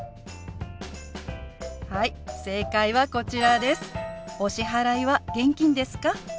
はい正解はこちらです。